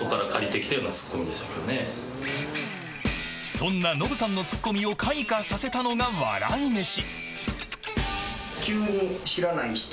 そんなノブさんのツッコミを開花させたのが笑い飯。